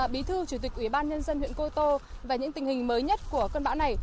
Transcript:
bí thư chủ tịch ủy ban nhân dân huyện cô tô và những tình hình mới nhất của cơn bão này